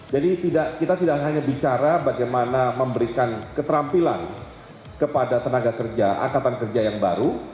jadi kita tidak hanya bicara bagaimana memberikan keterampilan kepada tenaga kerja akatan kerja yang baru